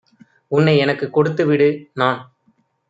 "உன்னை எனக்குக் கொடுத்துவிடு! - நான்